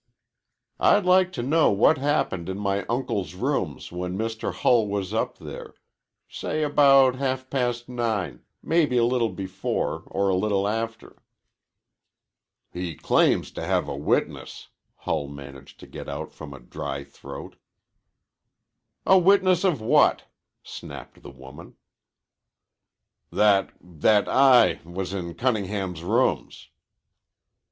"I'd like to know what happened in my uncle's rooms when Mr. Hull was up there say about half past nine, mebbe a little before or a little after." "He claims to have a witness," Hull managed to get out from a dry throat. "A witness of what?" snapped the woman. "That that I was in Cunningham's rooms."